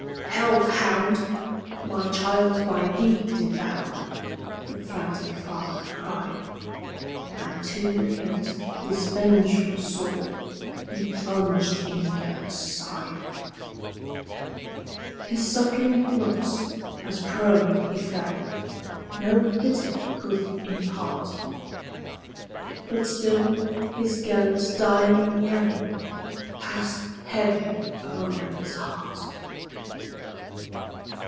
"Hell hound! my child 's by thee devoured,"The frantic father cried; And to the hilt his vengeful swordHe plunged in Gêlert's side. His suppliant looks, as prone he fell, No pity could impart; But still his Gêlert's dying yellPassed heavy o'er his heart.